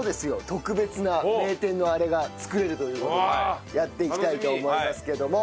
特別な名店のアレが作れるという事でやっていきたいと思いますけども。